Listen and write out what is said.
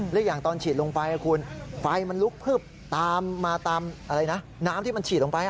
หรืออย่างตอนฉีดลงไฟคุณไฟมันลุกเพิบมาตามน้ำที่มันฉีดลงไป